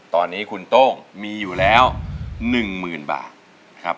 ตอนนี้คุณโต้งมีอยู่แล้ว๑หมื่นบาทนะครับ